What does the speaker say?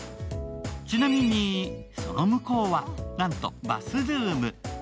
ちなみに、その向こうはなんとバスルーム。